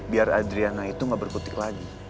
biar adriana itu gak berkutik lagi